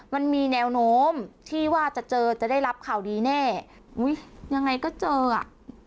มันมีแนวโน้มที่ว่าจะเจอจะได้รับข่าวดีแน่อุ้ยยังไงก็เจออ่ะ